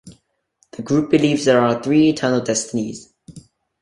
The group believes there are "Three Eternal Destinies".